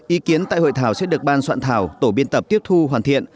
ý kiến tại hội thảo sẽ được ban soạn thảo tổ biên tập tiếp thu hoàn thiện